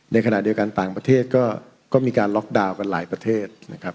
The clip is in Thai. ในขณะเดียวกันต่างประเทศก็มีการล็อกดาวน์กันหลายประเทศนะครับ